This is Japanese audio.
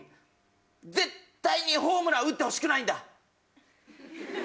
絶対にホームラン打ってほしくないんだ。